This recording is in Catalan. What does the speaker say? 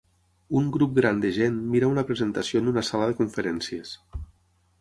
Un grup gran de gent mira una presentació en una sala de conferències.